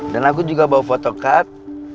dan aku juga bawa fotocard